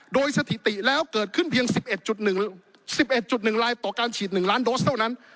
โดยสถิติแล้วเกิดขึ้นเพียง๑๑๑๑ลายต่อการฉีด๑ล้านโดสเท่านั้น